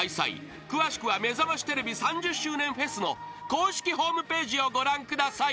［詳しくは『めざましテレビ』３０周年フェスの公式ホームページをご覧ください］